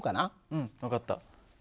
うん分かった。